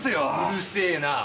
うるせえなぁ！